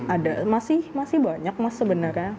ada masih banyak mas sebenarnya